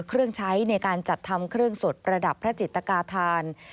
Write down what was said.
เครื่องใช้ในการจัดทำเครื่องสดประดับพระจิตกาธาน